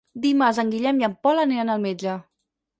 Dimarts en Guillem i en Pol aniran al metge.